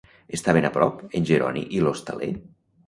Estaven a prop, en Jeroni i l'hostaler?